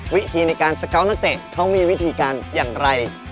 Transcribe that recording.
วิธีในการสเกาะนักเตะเขามีวิธีการอย่างไร